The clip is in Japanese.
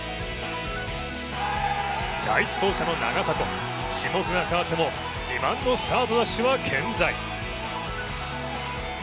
第１走者の長迫、種目が変わっても自慢のスタートダッシュは健在。